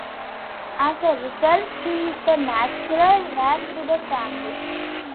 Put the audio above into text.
As a result, she is the natural heir to the family.